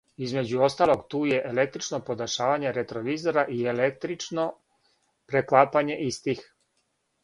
Између осталог, ту је електрично подешавање ретровизора и електрично преклапање истих.